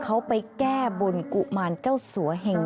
เขาไปแก้บนกุมารเจ้าสัวเหง